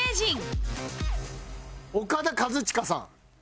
オカダ・カズチカさん。